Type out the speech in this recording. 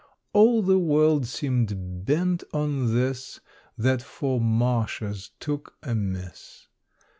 All the world seemed bent on this, That four marshes took amiss.